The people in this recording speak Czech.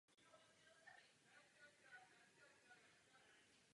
Po propuštění se zapojil do komunistických odbojových organizací Pochodeň a Předvoj.